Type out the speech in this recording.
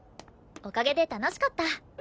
おかげで楽しかった。